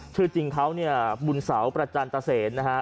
ชื่อจริงเขาเนี่ยบุญเสาประจันตเศษนะฮะ